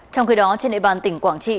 trong khi đó trên nệ bàn tỉnh quảng trị